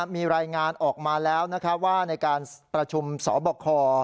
มีรายงานออกมาแล้วว่าในการประชุมสบค